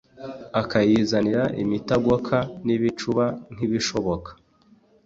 Akayizanira imitagoka,N' ibicuba nk' ibishoka :